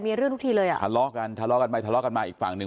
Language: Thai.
มีเรื่องทุกทีเลยอ่ะทะเลาะกันทะเลาะกันไปทะเลาะกันมาอีกฝั่งหนึ่ง